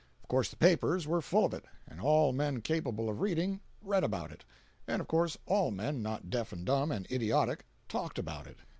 Of course the papers were full of it, and all men capable of reading, read about it. And of course all men not deaf and dumb and idiotic, talked about it.